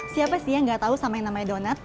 siapa sih yang gak tahu sama yang namanya donat